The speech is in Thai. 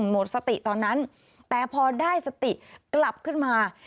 หมดสติตอนนั้นแต่พอได้สติกลับขึ้นมา